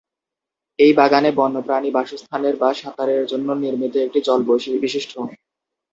এই বাগানে বন্যপ্রাণী বাসস্থানের বা সাঁতারের জন্য নির্মিত একটি জল বিশিষ্ট্য।